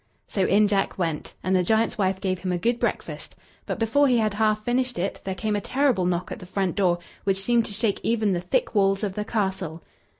So in Jack went, and the giant's wife gave him a good breakfast, but before he had half finished it there came a terrible knock at the front door, which seemed to shake even the thick walls of the castle.